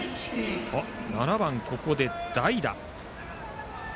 ７番、ここで代打。